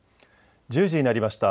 １０時になりました。